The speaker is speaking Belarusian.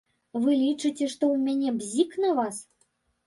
Вы лічыце, што ў мяне бзік на вас?